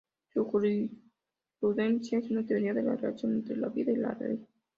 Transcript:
Una jurisprudencia es una teoría de la relación entre la vida y la ley.